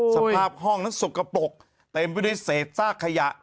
สภาพห้องนั้นสกปรกเต็มไปด้วยเศษซากขยะ